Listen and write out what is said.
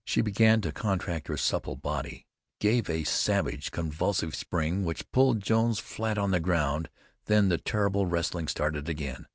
She began to contract her supple body, gave a savage, convulsive spring, which pulled Jones flat on the ground, then the terrible wrestling started again.